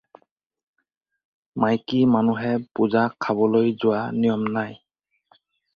মাইকী মানুহে পূজা খাবলৈ যোৱা নিয়ম নাই।